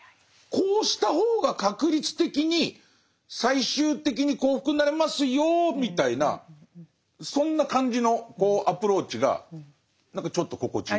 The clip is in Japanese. こうした方が確率的に最終的に幸福になれますよみたいなそんな感じのアプローチが何かちょっと心地いいです。